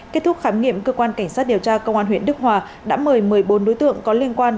kết thúc khám nghiệm cơ quan cảnh sát điều tra công an huyện đức hòa đã mời một mươi bốn đối tượng có liên quan